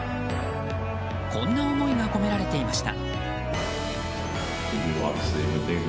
こんな思いが込められていました。